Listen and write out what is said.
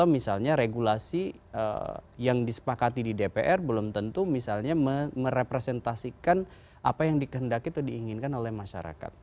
misalnya regulasi yang disepakati di dpr belum tentu misalnya merepresentasikan apa yang dikehendaki atau diinginkan oleh masyarakat